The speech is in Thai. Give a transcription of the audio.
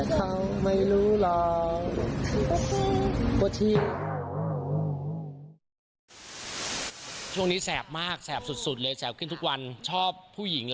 ใครเสี่ยมใครสอนวะเนี่ย